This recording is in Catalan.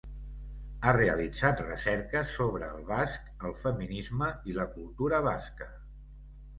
Ha realitzat recerques sobre el basc, el feminisme i la cultura basca.